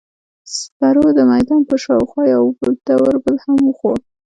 سپرو د میدان پر شاوخوا یو دور بل هم وخوړ.